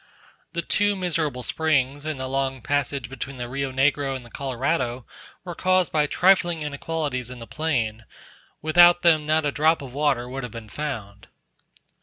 The two miserable springs in the long passage between the Rio Negro and Colorado were caused by trifling inequalities in the plain, without them not a drop of water would have been found.